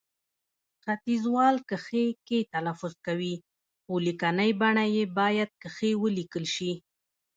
ختیځوال کښې، کې تلفظ کوي، خو لیکنې بڼه يې باید کښې ولیکل شي